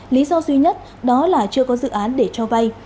lý do duy nhất đó là chưa có dự án để cho vay